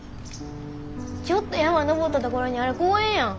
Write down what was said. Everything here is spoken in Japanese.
ちょっと山登った所にある公園やん。